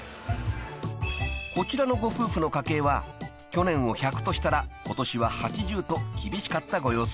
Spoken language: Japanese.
［こちらのご夫婦の家計は去年を１００としたら今年は８０と厳しかったご様子］